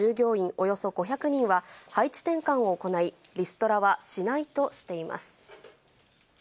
およそ５００人は、配置転換を行い、リストラはしないとしています。